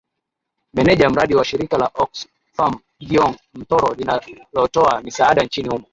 meneja mradi wa shirika la oxfam gion mtoro linalotoa misaada nchini humo